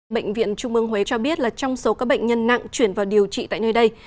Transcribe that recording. bệnh viện trung mương huế cho biết là trong số các bệnh nhân nặng chuyển vào điều trị tại nơi đây